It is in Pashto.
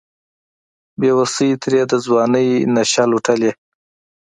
بیوسۍ ترې د ځوانۍ نشه لوټلې